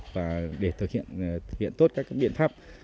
và để thực hiện tốt các biện pháp